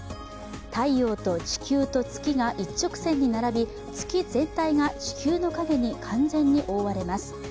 太陽と地球と月が一直線に並び月全体が地球の影に完全に覆われます。